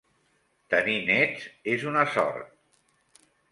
Tenir nets és una sort.